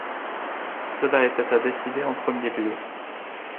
Cela était à décider en premier lieu.